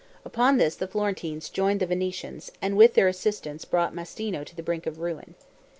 Upon this the Florentines joined the Venetians, and with their assistance brought Mastino to the brink of ruin.